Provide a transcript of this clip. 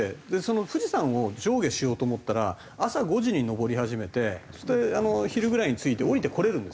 富士山を上下しようと思ったら朝５時に登り始めてそれで昼ぐらいに着いて下りてこられるんですよ。